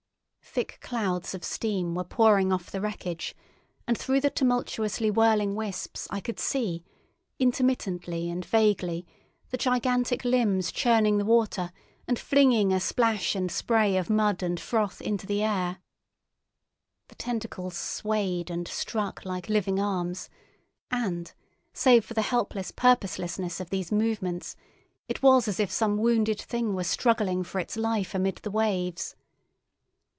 Thick clouds of steam were pouring off the wreckage, and through the tumultuously whirling wisps I could see, intermittently and vaguely, the gigantic limbs churning the water and flinging a splash and spray of mud and froth into the air. The tentacles swayed and struck like living arms, and, save for the helpless purposelessness of these movements, it was as if some wounded thing were struggling for its life amid the waves.